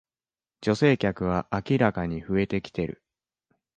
女性客は明らかに増えてきてる